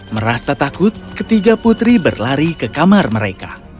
merasa takut ketiga putri berlari ke kamar mereka